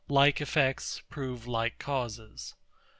Like effects prove like causes.